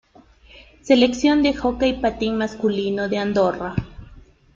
Selección de hockey patín masculino de Andorra